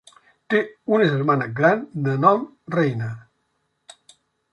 Té una germana gran de nom Reina.